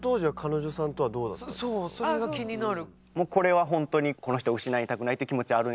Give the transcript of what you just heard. そうそれが気になる。